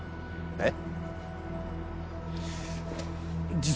えっ？